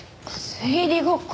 推理ごっこ？